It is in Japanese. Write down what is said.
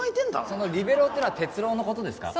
そのリベロウってのは哲郎の事ですか？